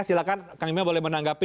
silakan kang mimah boleh menanggapi